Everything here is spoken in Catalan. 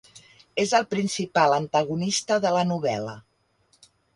És el principal antagonista de la novel·la.